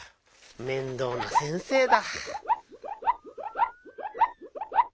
面倒な先生だ。